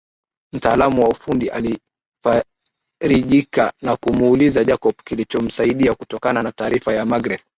Mtaalamu wa ufundi alifarijika na kumuuliza Jacob kilichomsaidia kutokana na taarifa ya Magreth